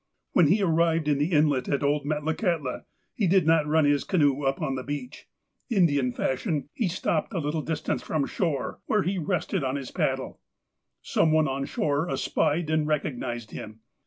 When he arrived in the inlet at old Metlakahtla, he did not run his canoe up on the beach. Indian fashion, he THE NEW HOME 293 stoi^ped a little distance from shore, where he rested on his paddle. Some one on shore espied and recognized him.